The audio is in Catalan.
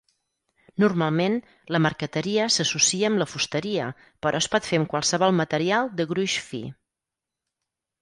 Normalment, la marqueteria s'associa amb la fusteria, però es pot fer amb qualsevol material de gruix fi.